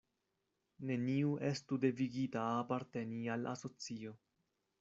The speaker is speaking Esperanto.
Neniu estu devigita aparteni al asocio.